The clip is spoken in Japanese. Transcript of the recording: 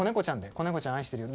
「子猫ちゃん愛してるよ」。